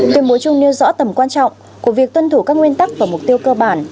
tuyên bố chung nêu rõ tầm quan trọng của việc tuân thủ các nguyên tắc và mục tiêu cơ bản